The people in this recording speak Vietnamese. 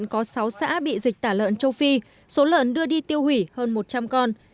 có sáu xã bị dịch tả lợn châu phi số lợn đưa đi tiêu hủy hơn một trăm linh con